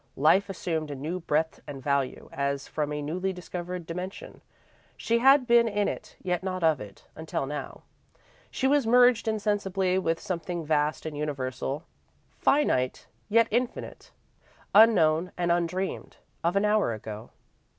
Life assumed a new breadth and value, as from a newly discovered dimension. She had been in it, yet not of it, until now. She was merged insensibly with something vast and universal, finite yet infinite, unknown and undreamed of an hour ago.